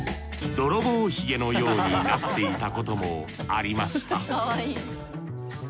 泥棒髭のようになっていたこともありました